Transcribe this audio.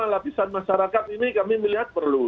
ini semua lapisan masyarakat ini kami melihat perlu